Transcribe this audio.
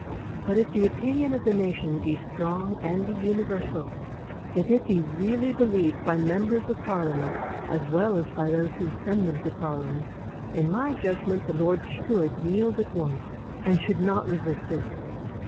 But if the opinion of the nation be strong and be universal, if it be really believed by members of Parliament, as well as by those who send them to Parliament, in my judgment the Lords should yield at once, and should not resist it.